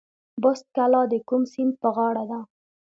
بست کلا د کوم سیند په غاړه ده؟